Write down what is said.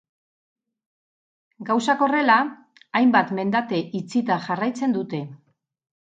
Gauzak horrela, hainbat mendate itxita jarraitzen dute.